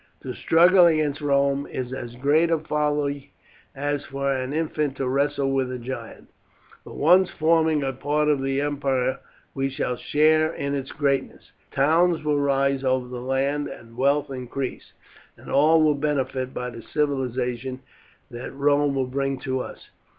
To struggle against Rome is as great a folly as for an infant to wrestle with a giant. But once forming a part of the empire we shall share in its greatness. Towns will rise over the land and wealth increase, and all will benefit by the civilization that Rome will bring to us."